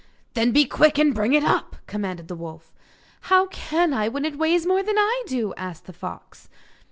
'Then be quick and bring it up,' commanded the wolf. 'How can I, when it weighs more than I do?' asked the fox.